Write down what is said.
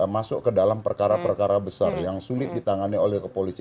masuk ke dalam perkara perkara besar yang sulit ditangani oleh kepolisian